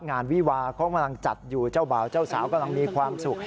วิวาเขากำลังจัดอยู่เจ้าบ่าวเจ้าสาวกำลังมีความสุข